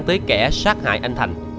tới kẻ sát hại anh thành